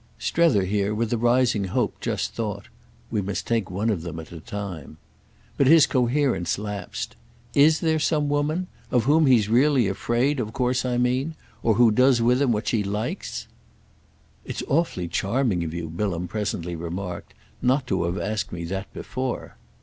Strether here, with a rising hope, just thought, "We must take one of them at a time." But his coherence lapsed. "Is there some woman? Of whom he's really afraid of course I mean—or who does with him what she likes." "It's awfully charming of you," Bilham presently remarked, "not to have asked me that before."